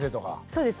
そうです。